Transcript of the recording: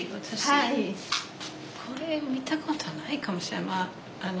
私これ見たことないかもしれない。